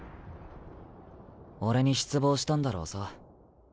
俺に失望したんだろうさ。